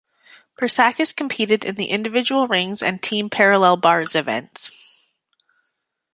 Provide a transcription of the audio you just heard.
Persakis competed in the individual rings and team parallel bars events.